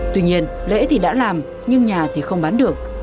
tuy nhiên lễ thì đã làm nhưng nhà thì không bán được